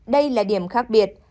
đây là điểm khác biệt